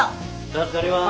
助かります。